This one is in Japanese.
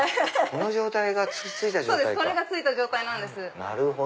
これがついた状態なんです。